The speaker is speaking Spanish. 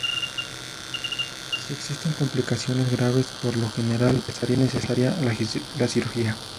Si existen complicaciones graves por lo general es necesaria la cirugía.